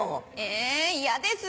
え嫌です。